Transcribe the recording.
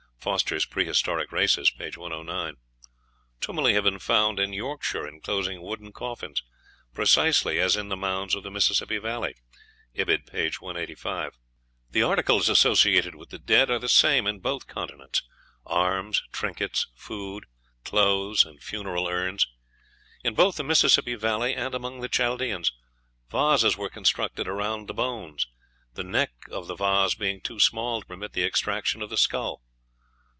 (Fosters "Prehistoric Races," p. 109.) Tumuli have been found in Yorkshire enclosing wooden coffins, precisely as in the mounds of the Mississippi Valley. (Ibid., p. 185.) The articles associated with the dead are the same in both continents: arms, trinkets, food, clothes, and funeral urns. In both the Mississippi Valley and among the Chaldeans vases were constructed around the bones, the neck of the vase being too small to permit the extraction of the skull.